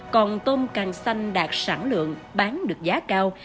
còn tôm càng xanh đạt sản lượng bán được giá cao